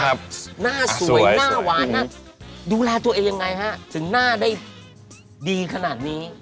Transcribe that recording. หน้าสวยหน้าหวานดูแลตัวเองยังไงฮะถึงหน้าได้ดีขนาดนี้